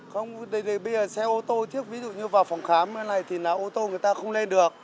không bây giờ xe ô tô thiếp ví dụ như vào phòng khám như thế này thì ô tô người ta không lên được